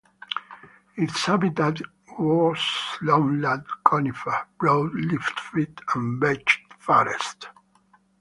Its habitat was lowland conifer, broad-leafed, and beech forests.